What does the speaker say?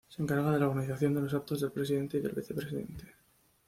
Se encarga de la organización de los actos del Presidente y del Vicepresidente.